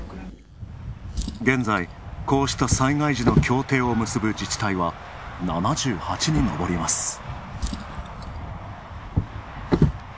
現在、こうした災害時の協定を結ぶ自治体は７８に上ります。